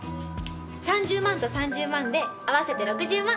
３０万と３０万で合わせて６０万。